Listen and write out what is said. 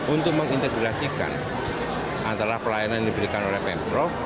untuk mengintegrasikan antara pelayanan yang diberikan oleh pemprov